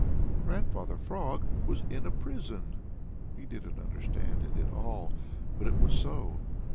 _ Grandfather Frog was in a prison! He didn't understand it at all, but it was so.